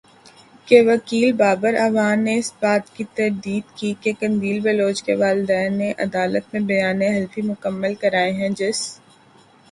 کے وکیل بابر اعوان نے اس بات کی تردید کی کہ قندیل بلوچ کے والدین نے عدالت میں بیان حلفی مکمل کرائے ہیں جس